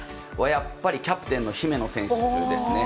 やっぱり、キャプテンの姫野選手ですね。